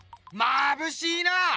まぶしいな！